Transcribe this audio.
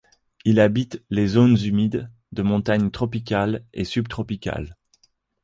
Il habite les zones humides de montagnes tropicales et subtropicales.